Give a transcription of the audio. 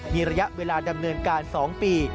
มีระยะเวลาดำเนินการ๒ปี